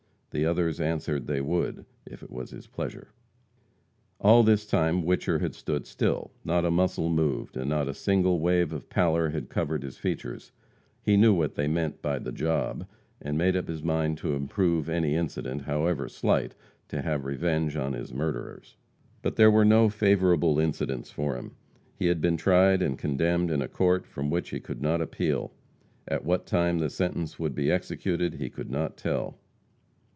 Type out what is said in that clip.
The others answered they would, if it was his pleasure. All this time Whicher had stood still; not a muscle moved, and not a single wave of pallor had covered his features. He knew what they meant by "the job," and made up his mind to improve any incident, however slight, to have revenge on his murderers. But there were no favorable incidents for him. He had been tried and condemned in a court from which he could not appeal. At what time the sentence would be executed he could not tell.